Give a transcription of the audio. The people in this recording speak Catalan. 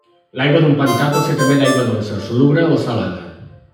L'aigua d'un pantà pot ser també d'aigua dolça, salobre o salada.